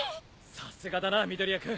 さすがだな緑谷君。